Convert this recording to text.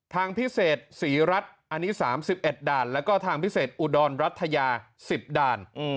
ทางพิเศษศรีรัฐอันนี้๓๑ด่านแล้วก็ทางพิเศษอุดรรัฐยา๑๐ด่าน